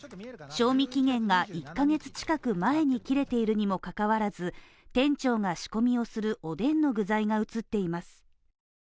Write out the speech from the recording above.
賞味期限が１ヶ月近く前に切れているにもかかわらず、店長が仕込みをするおでんの具材が映っています。